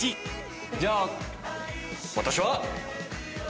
じゃあ私は。